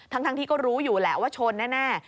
ทั้งที่ก็รู้อยู่แหละว่าชนแน่